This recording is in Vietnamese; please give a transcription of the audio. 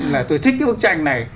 là tôi thích cái bức tranh này